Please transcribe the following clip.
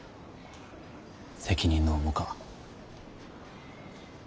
責任の重か。